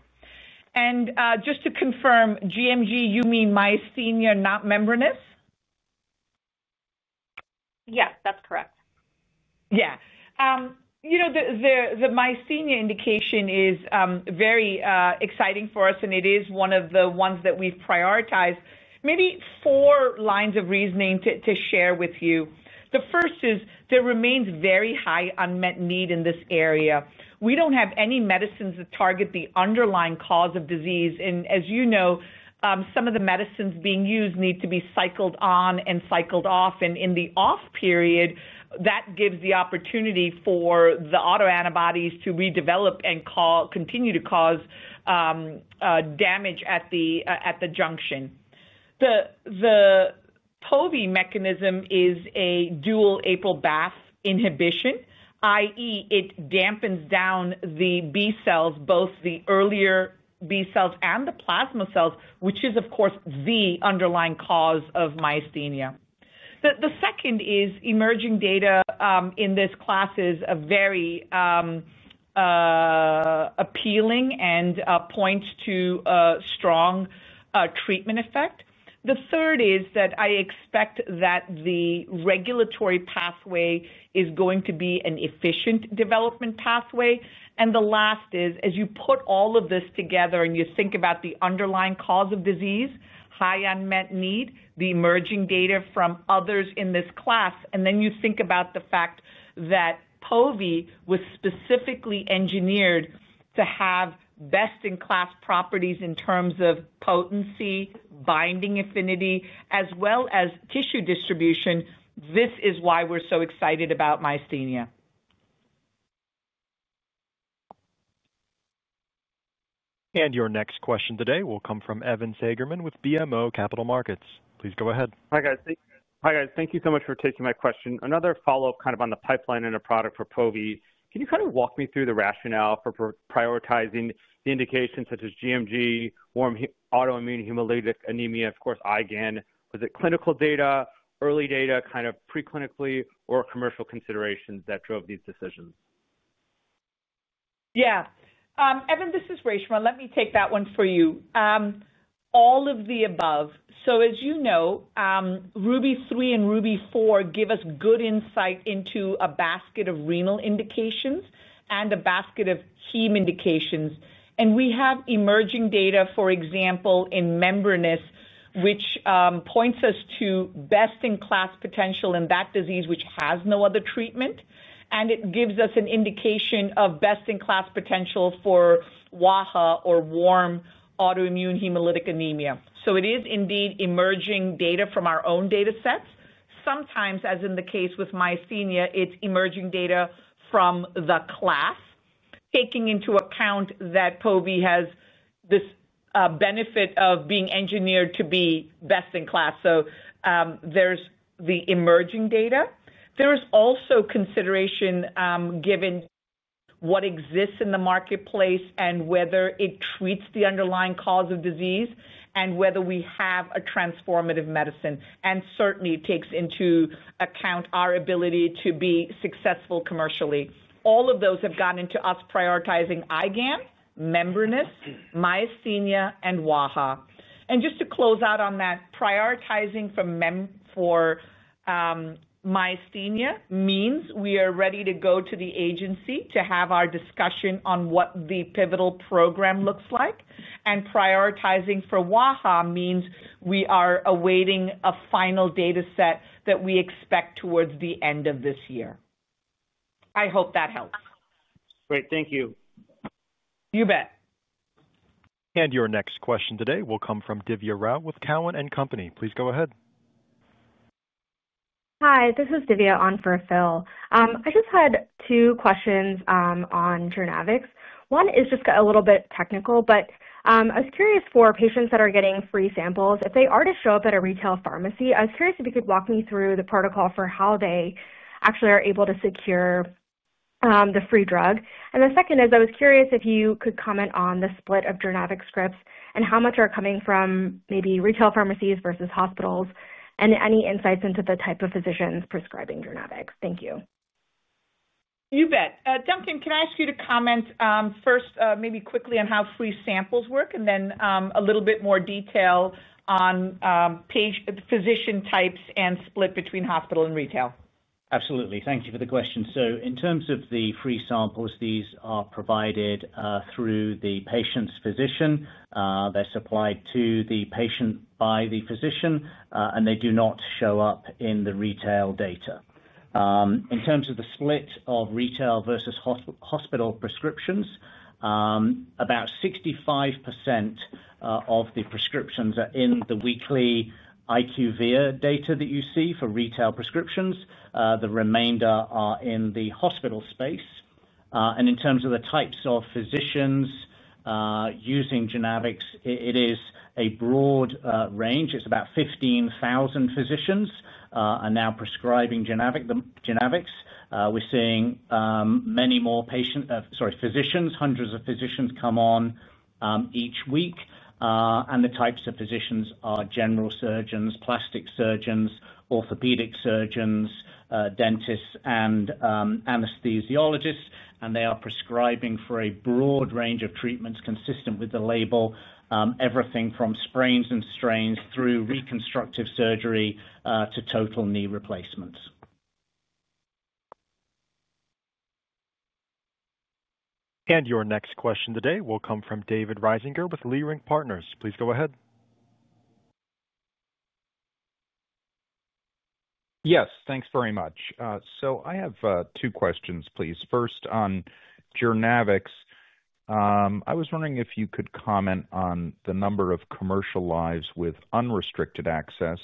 [SPEAKER 3] Just to confirm, gMG, you mean myasthenia, not membranous?
[SPEAKER 10] Yes, that's correct.
[SPEAKER 3] Yeah. You know, the myasthenia indication is very exciting for us, and it is one of the ones that we've prioritized. Maybe four lines of reasoning to share with you. The first is there remains very high unmet need in this area. We don't have any medicines that target the underlying cause of disease. As you know, some of the medicines being used need to be cycled on and cycled off. In the off period, that gives the opportunity for the autoantibodies to redevelop and continue to cause damage at the junction. The povetacicept mechanism is a dual APRIL inhibition, i.e., it dampens down the B cells, both the earlier B cells and the plasma cells, which is, of course, the underlying cause of myasthenia. The second is emerging data in this class is very appealing and points to a strong treatment effect. The third is that I expect that the regulatory pathway is going to be an efficient development pathway. The last is, as you put all of this together and you think about the underlying cause of disease, high unmet need, the emerging data from others in this class, and then you think about the fact that povetacicept was specifically engineered to have best-in-class properties in terms of potency, binding affinity, as well as tissue distribution, this is why we're so excited about myasthenia.
[SPEAKER 1] Your next question today will come from Evan Seigerman with BMO Capital Markets. Please go ahead.
[SPEAKER 11] Hi guys. Thank you so much for taking my question. Another follow-up kind of on the pipeline and a product for povetacicept. Can you kind of walk me through the rationale for prioritizing the indications such as gMG, warm autoimmune hemolytic anemia, of course IgAN? Was it clinical data, early data, kind of preclinically, or commercial considerations that drove these decisions?
[SPEAKER 3] Yeah. Evan, this is Reshma. Let me take that one for you. All of the above. As you know, RUBY-3 and RUBY-4 give us good insight into a basket of renal indications and a basket of heme indications. We have emerging data, for example, in membranous, which points us to best-in-class potential in that disease, which has no other treatment. It gives us an indication of best-in-class potential for wAIHA or warm autoimmune hemolytic anemia. It is indeed emerging data from our own data sets. Sometimes, as in the case with myasthenia, it's emerging data from the class, taking into account that povetacicept has this benefit of being engineered to be best-in-class. There is the emerging data. There is also consideration given what exists in the marketplace and whether it treats the underlying cause of disease and whether we have a transformative medicine. It certainly takes into account our ability to be successful commercially. All of those have gotten into us prioritizing IgAN, membranous, myasthenia, and wAIHA. Just to close out on that, prioritizing for myasthenia means we are ready to go to the agency to have our discussion on what the pivotal program looks like. Prioritizing for wAIHA means we are awaiting a final data set that we expect towards the end of this year. I hope that helps.
[SPEAKER 11] Great. Thank you.
[SPEAKER 3] You bet.
[SPEAKER 1] Your next question today will come from Divya Rao with Cowen and Company]. Please go ahead.
[SPEAKER 12] Hi, this is Divya on for Phil. I just had two questions on JOURNAVX. One is just a little bit technical, but I was curious for patients that are getting free samples, if they are to show up at a retail pharmacy, I was curious if you could walk me through the protocol for how they actually are able to secure the free drug. The second is I was curious if you could comment on the split of JOURNAVX scripts and how much are coming from maybe retail pharmacies versus hospitals and any insights into the type of physicians prescribing JOURNAVX. Thank you.
[SPEAKER 3] You bet. Duncan, can I ask you to comment first, maybe quickly, on how free samples work, and then a little bit more detail on the physician types and split between hospital and retail?
[SPEAKER 4] Absolutely. Thank you for the question. In terms of the free samples, these are provided through the patient's physician. They're supplied to the patient by the physician, and they do not show up in the retail data. In terms of the split of retail versus hospital prescriptions, about 65% of the prescriptions are in the weekly IQVIA data that you see for retail prescriptions. The remainder are in the hospital space. In terms of the types of physicians using JOURNAVX, it is a broad range. About 15,000 physicians are now prescribing JOURNAVX. We're seeing many more physicians, hundreds of physicians, come on each week. The types of physicians are general surgeons, plastic surgeons, orthopedic surgeons, dentists, and anesthesiologists. They are prescribing for a broad range of treatments consistent with the label, everything from sprains and strains through reconstructive surgery to total knee replacements.
[SPEAKER 1] Your next question today will come from David Risinger with Leerink Partners. Please go ahead.
[SPEAKER 13] Yes, thanks very much. I have two questions, please. First, on JOURNAVX, I was wondering if you could comment on the number of commercial lives with unrestricted access.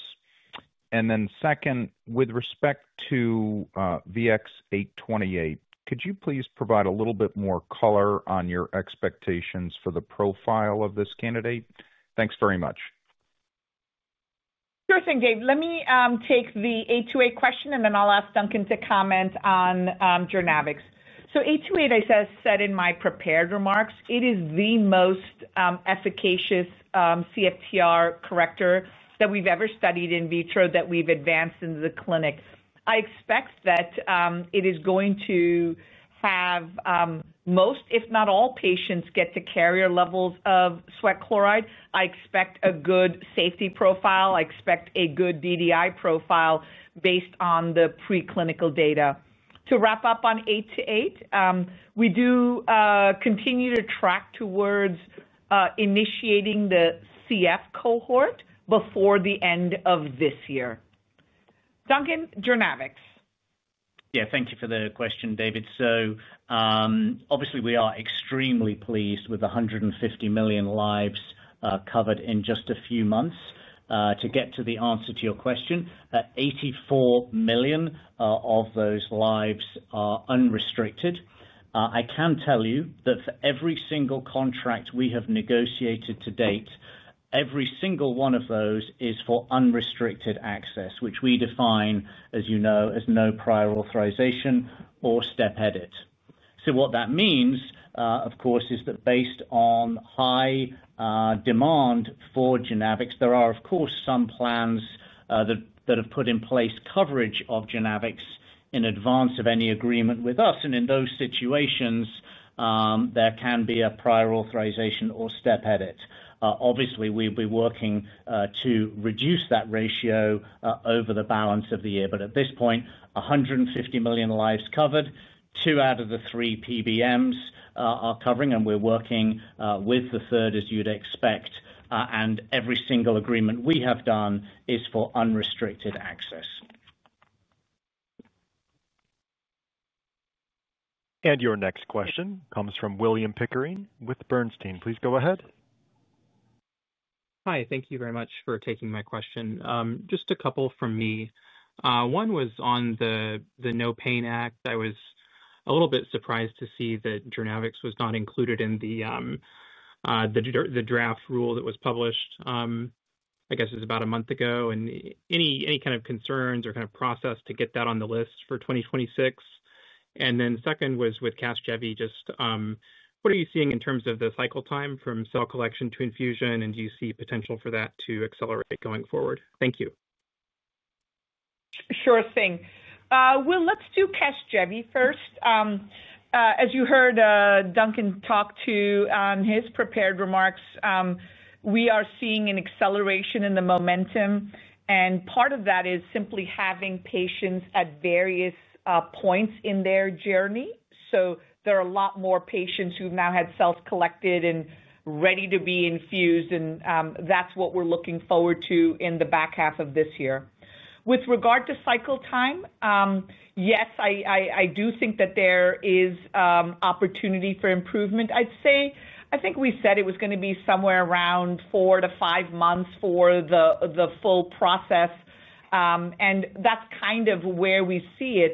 [SPEAKER 13] Second, with respect to VX-828, could you please provide a little bit more color on your expectations for the profile of this candidate? Thanks very much.
[SPEAKER 3] Sure thing, Dave. Let me take the VX-828 question, and then I'll ask Duncan to comment on JOURNAVX. VX-828, as I said in my prepared remarks, it is the most efficacious CFTR corrector that we've ever studied in vitro that we've advanced into the clinic. I expect that it is going to have most, if not all, patients get to carrier levels of sweat chloride. I expect a good safety profile. I expect a good DDI profile based on the preclinical data. To wrap up on VX-828, we do continue to track towards initiating the CF cohort before the end of this year. Duncan, JOURNAVX.
[SPEAKER 4] Thank you for the question, David. Obviously, we are extremely pleased with 150 million lives covered in just a few months. To get to the answer to your question, 84 million of those lives are unrestricted. I can tell you that for every single contract we have negotiated to date, every single one of those is for unrestricted access, which we define, as you know, as no prior authorization or step edit. What that means, of course, is that based on high demand for JOURNAVX, there are, of course, some plans that have put in place coverage of JOURNAVX in advance of any agreement with us. In those situations, there can be a prior authorization or step edit. We will be working to reduce that ratio over the balance of the year. At this point, 150 million lives covered, two out of the three PBMs are covering, and we're working with the third, as you'd expect. Every single agreement we have done is for unrestricted access.
[SPEAKER 1] Your next question comes from William Pickering with Bernstein. Please go ahead.
[SPEAKER 14] Hi, thank you very much for taking my question. Just a couple from me. One was on the NOPAIN Act. I was a little bit surprised to see that JOURNAVX was not included in the draft rule that was published, I guess it was about a month ago, and any kind of concerns or kind of process to get that on the list for 2026. Second was with CASGEVY. Just what are you seeing in terms of the cycle time from cell collection to infusion, and do you see potential for that to accelerate going forward? Thank you.
[SPEAKER 3] Sure thing. Let's do CASGEVY first. As you heard Duncan talk to in his prepared remarks, we are seeing an acceleration in the momentum, and part of that is simply having patients at various points in their journey. There are a lot more patients who've now had cells collected and are ready to be infused, and that's what we're looking forward to in the back half of this year. With regard to cycle time, yes, I do think that there is opportunity for improvement. I'd say, I think we said it was going to be somewhere around four to five months for the full process, and that's kind of where we see it.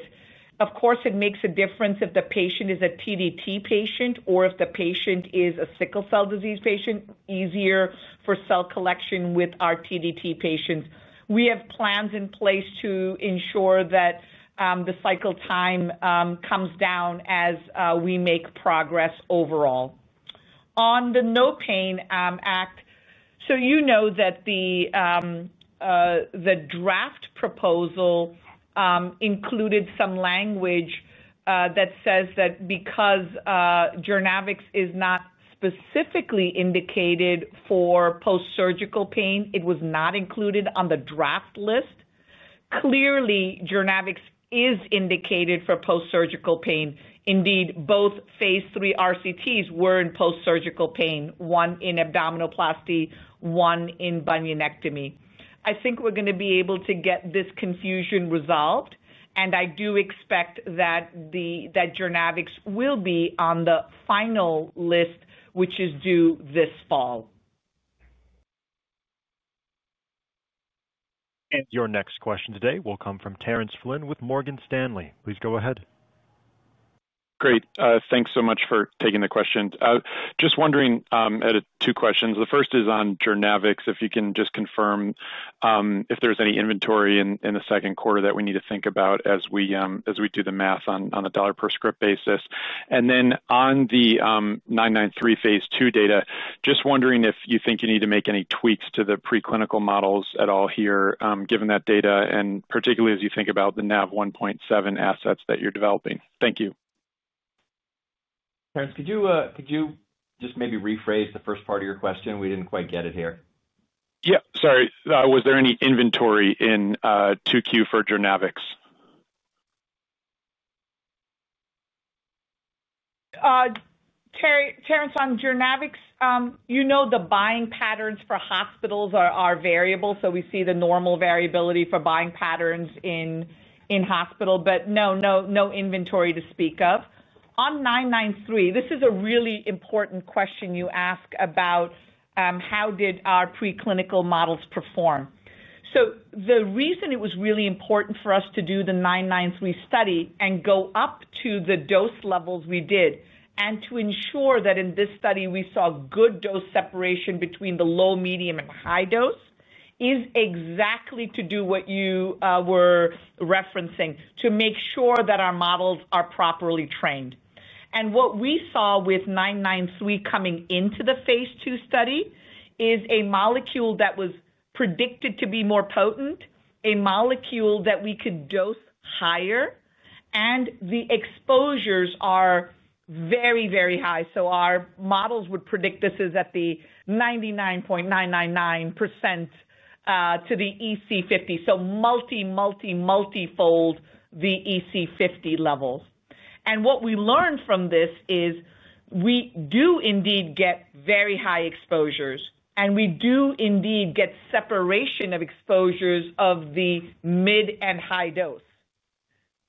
[SPEAKER 3] Of course, it makes a difference if the patient is a TDT patient or if the patient is a sickle cell disease patient. It's easier for cell collection with our TDT patients. We have plans in place to ensure that the cycle time comes down as we make progress overall. On the NOPAIN Act, you know that the draft proposal included some language that says that because JOURNAVX is not specifically indicated for post-surgical pain, it was not included on the draft list. Clearly, JOURNAVX is indicated for post-surgical pain. Indeed, both phase III RCTs were in post-surgical pain, one in abdominoplasty, one in bunionectomy. I think we're going to be able to get this confusion resolved, and I do expect that JOURNAVX will be on the final list, which is due this fall.
[SPEAKER 1] Your next question today will come from Terence Flynn with Morgan Stanley. Please go ahead.
[SPEAKER 15] Great. Thanks so much for taking the question. Just wondering, two questions. The first is on JOURNAVX, if you can just confirm if there's any inventory in the second quarter that we need to think about as we do the math on a dollar per script basis. On the VX-993 phase II data, just wondering if you think you need to make any tweaks to the preclinical models at all here, given that data, and particularly as you think about the NaV1.7 assets that you're developing. Thank you.
[SPEAKER 5] Terence, could you just maybe rephrase the first part of your question? We didn't quite get it here.
[SPEAKER 15] Sorry. Was there any inventory in 2Q for JOURNAVX?
[SPEAKER 3] Terence, on JOURNAVX, you know the buying patterns for hospitals are variable, so we see the normal variability for buying patterns in hospital, but no, no inventory to speak of. On VX-993, this is a really important question you ask about how did our preclinical models perform. The reason it was really important for us to do the VX-993 study and go up to the dose levels we did and to ensure that in this study we saw good dose separation between the low, medium, and high dose is exactly to do what you were referencing, to make sure that our models are properly trained. What we saw with VX-993 coming into the phase II study is a molecule that was predicted to be more potent, a molecule that we could dose higher, and the exposures are very, very high. Our models would predict this is at the 99.999% to the EC50, so multi, multi, multifold the EC50 levels. What we learned from this is we do indeed get very high exposures, and we do indeed get separation of exposures of the mid and high dose.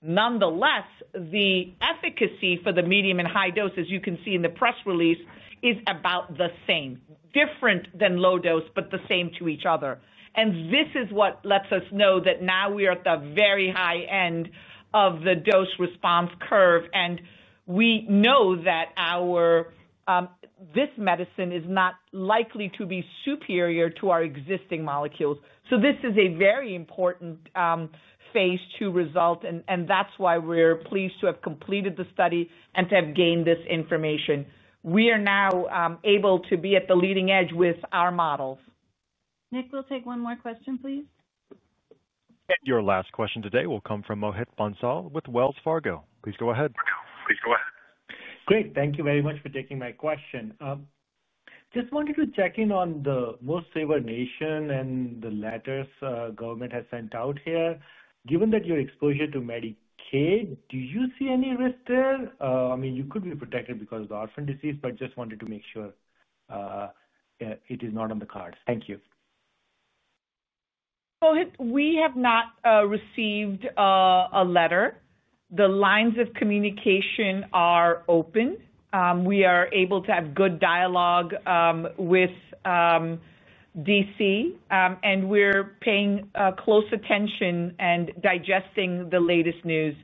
[SPEAKER 3] Nonetheless, the efficacy for the medium and high dose, as you can see in the press release, is about the same, different than low dose, but the same to each other. This is what lets us know that now we are at the very high end of the dose response curve, and we know that this medicine is not likely to be superior to our existing molecules. This is a very important phase II result, and that's why we're pleased to have completed the study and to have gained this information. We are now able to be at the leading edge with our models.
[SPEAKER 2] Nick, we'll take one more question, please.
[SPEAKER 1] Your last question today will come from Mohit Bansal with Wells Fargo. Please go ahead.
[SPEAKER 16] Great. Thank you very much for taking my question. Just wanted to check in on the most-favored nation and the letters government has sent out here. Given that your exposure to Medicaid, do you see any risk there? I mean, you could be protected because of the orphan disease, but just wanted to make sure it is not on the cards. Thank you.
[SPEAKER 3] Mohit, we have not received a letter. The lines of communication are open. We are able to have good dialogue with [DC], and we're paying close attention and digesting the latest news,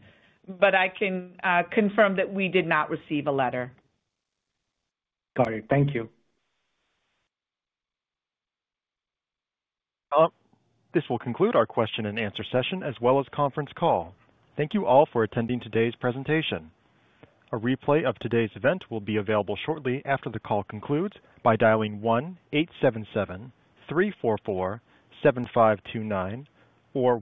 [SPEAKER 3] but I can confirm that we did not receive a letter.
[SPEAKER 16] Got it. Thank you.
[SPEAKER 5] This will conclude our question and answer session, as well as conference call. Thank you all for attending today's presentation. A replay of today's event will be available shortly after the call concludes by dialing 1-877-344-7529.